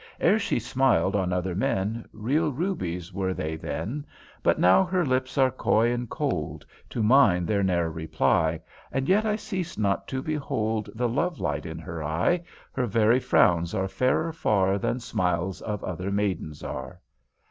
Ere she smiled on other men, Real rubies were they then. But now her lips are coy and cold; To mine they ne'er reply; And yet I cease not to behold The love light in her eye: Her very frowns are fairer far Than smiles of other maidens are.